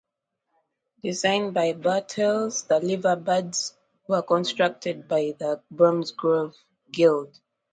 Designed by Bartels, the Liver birds were constructed by the Bromsgrove Guild.